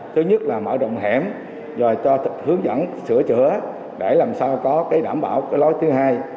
thứ nhất là mở rộng hẻm rồi cho hướng dẫn sửa chữa để làm sao có cái đảm bảo cái lối thứ hai